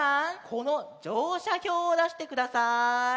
このじょうしゃひょうをだしてください。